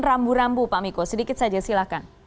rambu rambu pak miko sedikit saja silahkan